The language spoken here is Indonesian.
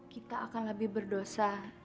kita akan lebih berdosa